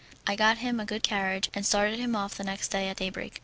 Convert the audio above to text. I got him a good carriage, and started him off the next day at daybreak.